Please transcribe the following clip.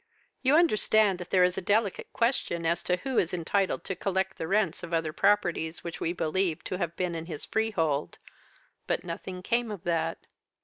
You understand that there is a delicate question as to who is entitled to collect the rents of other properties which we believe to have been his freehold. But nothing came of that.